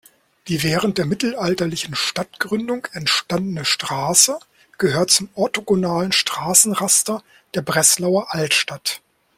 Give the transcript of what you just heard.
Die während der mittelalterlichen Stadtgründung entstandene Straße gehört zum orthogonalen Straßenraster der Breslauer Altstadt.